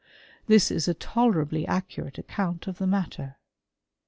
J This i tolerably accurate account of the matter.